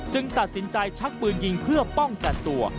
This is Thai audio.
ตัดสินใจชักปืนยิงเพื่อป้องกันตัว